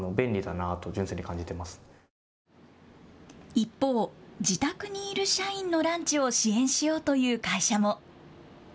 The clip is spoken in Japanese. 一方、自宅にいる社員のランチを支援しようという会社も。